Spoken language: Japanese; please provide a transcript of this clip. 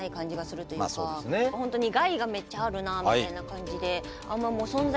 本当に害がめっちゃあるなみたいな感じであんまりなのかな？